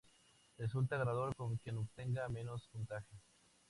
Resulta ganador quien obtenga menos puntaje.